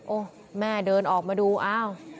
โอ้โหแม่เดินออกมาดูอ้าว